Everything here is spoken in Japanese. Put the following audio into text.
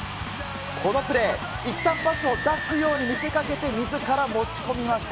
このプレー、いったんパスを出すように見せかけて、みずから持ち込みました。